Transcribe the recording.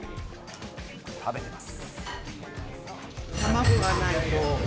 食べてます。